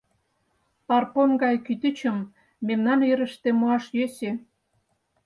Парпон гай кӱтӱчым мемнан йырыште муаш йӧсӧ.